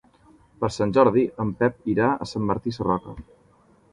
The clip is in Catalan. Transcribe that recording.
Per Sant Jordi en Pep irà a Sant Martí Sarroca.